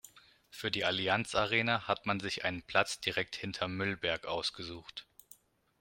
Für die Allianz-Arena hat man sich einen Platz direkt hinterm Müllberg ausgesucht.